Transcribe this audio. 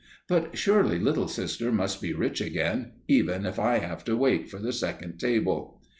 But surely Little Sister must be rich again, even if I have to wait for the second table.